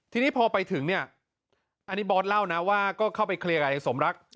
ทีนี้พอไปถึงเนี่ยอันนี้บอสเล่านะว่าก็เข้าไปเคลียร์กับไอ้สมรัก